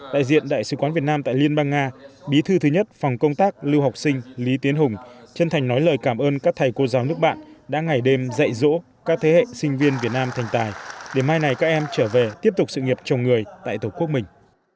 đại diện đại sứ quán việt nam tại liên bang nga bí thư thứ nhất phòng công tác lưu học sinh lý tiến hùng chân thành nói lời cảm ơn các thầy cô giáo nước bạn đã ngày đêm dạy dỗ các thế hệ sinh viên việt nam thành tài để mai này các em trở về tiếp tục sự nghiệp chồng người tại tổ quốc mình